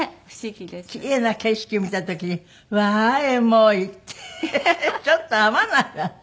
奇麗な景色を見た時に「うわーエモい」ってちょっと合わないわね。